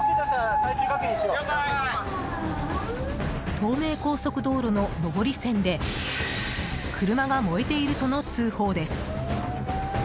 東名高速道路の上り線で車が燃えているとの通報です。